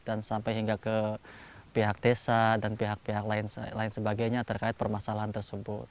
dan sampai hingga ke pihak desa dan pihak pihak lain sebagainya terkait permasalahan tersebut